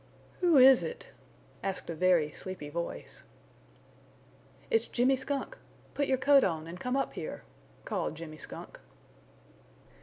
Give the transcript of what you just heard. "Who is it?" asked a very sleepy voice. "It's Jimmy Skunk. Put your coat on and come up here!" called Jimmy Skunk.